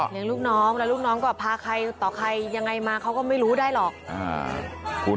พี่น้องและลูกน้องก็ปาค่ายิงอย่างไรมาเขาก็ไม่รู้ได้หรอก